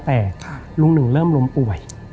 แต่ลุงหนึ่งเริ่มล้มป่วย